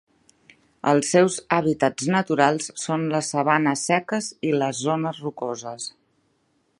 Els seus hàbitats naturals són les sabanes seques i les zones rocoses.